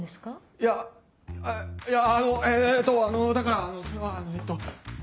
いやいやあのえっとだからそれはえっと。